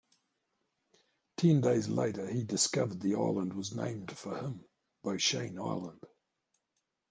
Ten days later, he discovered the island that was named for him, Beauchene Island.